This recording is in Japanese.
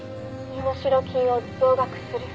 「身代金を増額する」